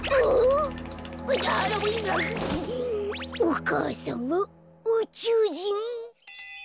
お母さんはうちゅうじん！？